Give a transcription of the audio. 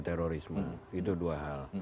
terorisme itu dua hal